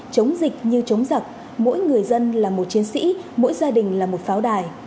chống dịch như chống giặc mỗi người dân là một chiến sĩ mỗi gia đình là một pháo đài